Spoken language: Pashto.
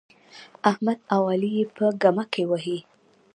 احمد او علي يې په ګمه کې وهي.